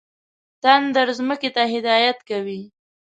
تندر ځمکې ته هدایت کوي.